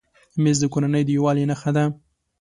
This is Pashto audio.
مېز د کورنۍ د یووالي نښه ده.